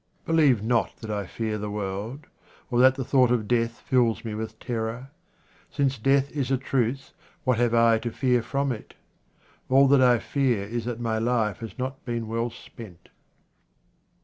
Believe not that I fear the world, or that the thought of death fills me with terror. Since death is a truth, what have I to fear from it ? All that I fear is that my life has not been well spent.